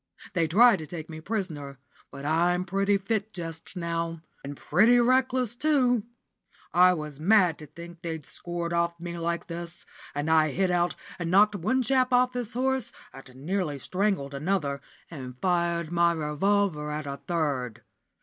They tried to take me prisoner, but I'm pretty fit just now, and pretty reckless too. I was mad to think they'd scored off me like this, and I hit out and knocked one chap off his horse, and nearly strangled another, and fired my revolver at a third.